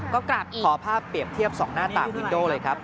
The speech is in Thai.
ก็กลับขอภาพเปรียบเทียบ๒หน้าต่างวินโดเลยครับ